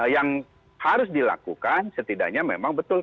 yang harus dilakukan setidaknya memang betul